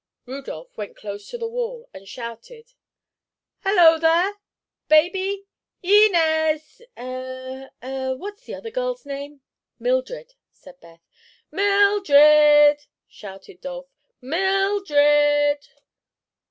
Rudolph went close to the wall and shouted: "Hello, there! Baby! I nez!—eh—eh—what's the other girl's name?" "Mildred," said Beth. "Mil dred!" shouted Dolph; "Mil dred!"